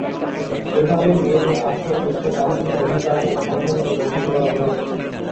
এভাবে মেয়েদের আসল উৎস তান্ত্রিক অধিকার ও ক্ষমতা থেকে বঞ্চিত করা হয়েছে।